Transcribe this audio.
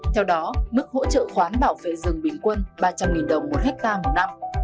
theo đó mức hỗ trợ khoán bảo vệ rừng bình quân ba trăm linh đồng một hectare một năm